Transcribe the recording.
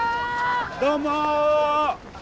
どうも。